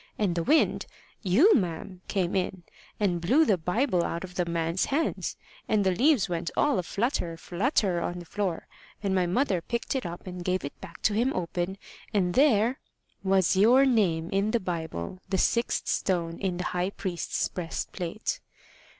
And the wind you, ma'am came in, and blew the Bible out of the man's hands, and the leaves went all flutter, flutter on the floor, and my mother picked it up and gave it back to him open, and there " "Was your name in the Bible the sixth stone in the high priest's breastplate."